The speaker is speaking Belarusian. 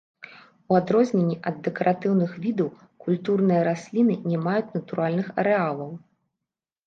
У адрозненне ад дэкаратыўных відаў, культурныя расліны не маюць натуральных арэалаў.